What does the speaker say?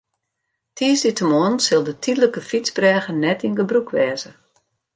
Tiisdeitemoarn sil de tydlike fytsbrêge net yn gebrûk wêze.